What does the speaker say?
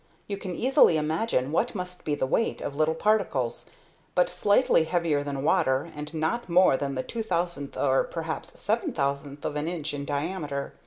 You can easily imagine what must be the weight of little particles, but slightly heavier than water, and not more than the two thousandth or perhaps seven thousandth of an inch in diameter.